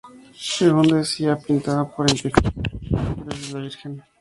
Según decía, pintaba por indicación de los ángeles y la Virgen.